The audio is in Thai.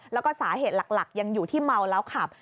แล้วก็สาเหตุหลักยังอยู่ที่เมาแล้วขับ